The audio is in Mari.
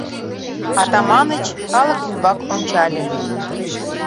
Атаманыч калык ӱмбак ончале.